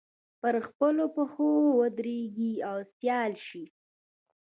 پر خپلو پښو ودرېږي سیال شي